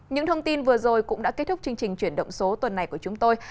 những thông tin vừa rồi cũng đã kết thúc chương trình chuyển động số tuần này của chúng tôi